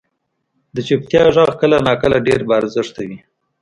• د چپتیا ږغ کله ناکله ډېر با ارزښته وي.